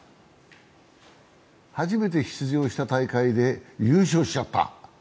初めて出場した大会で優勝しちゃった。